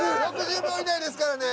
６０秒以内ですからね。